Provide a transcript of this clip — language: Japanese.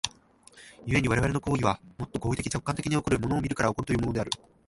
故に我々の行為は、もと行為的直観的に起こる、物を見るから起こるというのである。